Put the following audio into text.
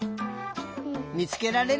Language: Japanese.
みつけられる？